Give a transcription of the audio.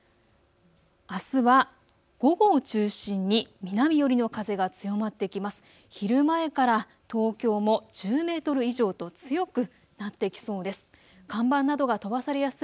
あすは午後を中心に南寄りの風がが強まってきます。